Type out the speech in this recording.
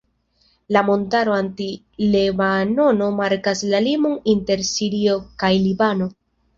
La montaro Anti-Lebanono markas la limon inter Sirio kaj Libano.